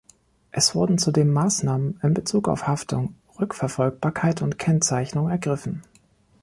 Es wurden zudem Maßnahmen in Bezug auf Haftung, Rückverfolgbarkeit und Kennzeichnung ergriffen.